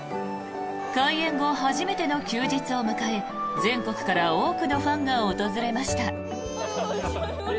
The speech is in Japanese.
開園後初めての休日を迎え全国から多くのファンが訪れました。